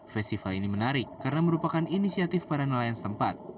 festival ini menarik karena merupakan inisiatif para nelayan setempat